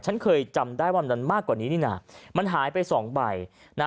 ฉันเคยจำได้ว่ามันมากกว่านี้นี่น่ะมันหายไปสองใบนะ